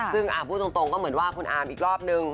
ซึ่งพูดตรงก็เหมือนว่าคุณอาร์มอีกรอบนึง